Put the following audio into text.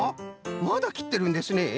まだきってるんですねえ？